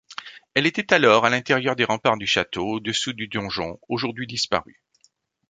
Elle était alors à l'intérieur des remparts du château, au-dessous du donjon, aujourd'hui disparu.